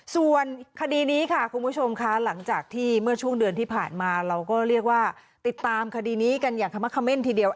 ส่วนคดีนี้ค่ะคุณผู้ชมค่ะหลังจากที่เมื่อช่วงเดือนที่ผ่านมาเราก็เรียกว่าติดตามคดีนี้กันอย่างขมะเขม่นทีเดียว